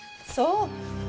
そう。